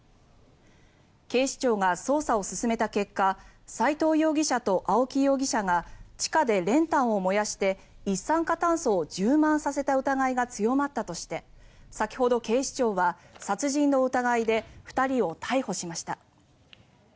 警視庁が捜査を進めた結果齋藤容疑者と青木容疑者が地下で練炭を燃やして一酸化炭素を充満させた疑いが強まったとして先ほど警視庁は殺人の疑いで２人を逮捕しました。